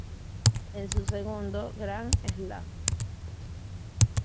Es su segundo Grand Slam.